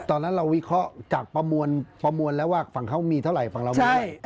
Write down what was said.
ตอนนั้นเราวิเคราะห์จากประมวลแล้วว่าฝั่งเขามีเท่าไหร่ฝั่งเรามีเท่าไหร่